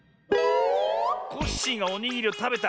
コッシーがおにぎりをたべた。